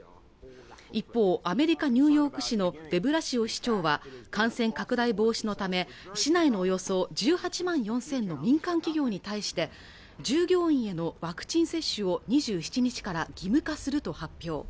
一方アメリカニューヨーク市のデブラシオ市長は感染拡大防止のため市内のおよそ１８万４０００の民間企業に対して従業員へのワクチン接種を２７日から義務化すると発表